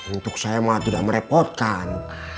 untuk saya mah tidak merepotkan